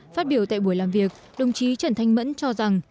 phát biểu tại buổi làm việc đồng chí trần thanh mẫn cho rằng